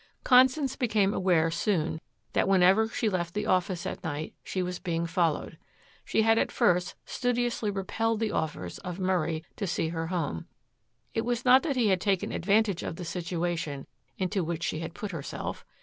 Constance became aware soon that whenever she left the office at night she was being followed. She had at first studiously repelled the offers of Murray to see her home. It was not that he had taken advantage of the situation into which she had put herself.